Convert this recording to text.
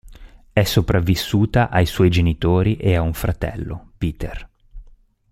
È sopravvissuta ai suoi genitori e a un fratello, Peter.